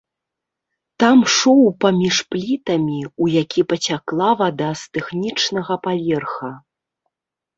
Там шоў паміж плітамі, у які пацякла вада з тэхнічнага паверха.